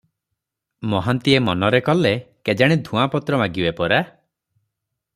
ମହାନ୍ତିଏ ମନରେ କଲେ, କେଜାଣି ଧୂଆଁପତ୍ର ମାଗିବେ ପରା?